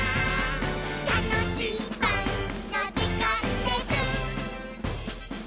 「たのしいパンのじかんです！」